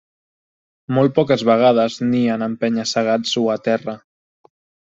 Molt poques vegades nien en penya-segats o a terra.